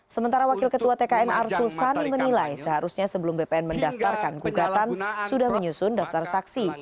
sementara wakil ketua tkn arsul sani menilai seharusnya sebelum bpn mendaftarkan gugatan sudah menyusun daftar saksi